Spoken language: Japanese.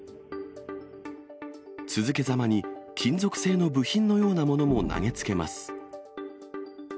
続けざまに金属製の部品のようなものも投げつけます。